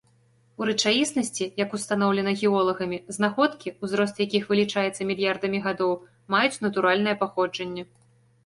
У рэчаіснасці, як устаноўлена геолагамі, знаходкі, узрост якіх вылічаецца мільярдамі гадоў, маюць натуральнае паходжанне.